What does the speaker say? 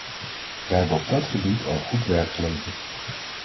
Wij hebben op dat gebied al goed werk geleverd.